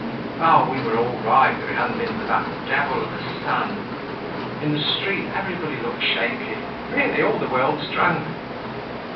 Oh! We were all right, if it hadn't been for that devil of a sun. In the street everybody looks shaky. Really, all the world's drunk!"